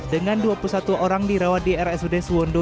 dengan dua puluh satu orang dirawat di rsud suwondo